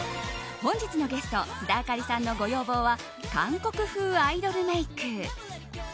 本日のゲスト須田亜香里さんのご要望は韓国風アイドルメイク。